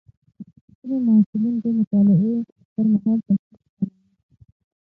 ځینې محصلین د مطالعې پر مهال تشویش کموي.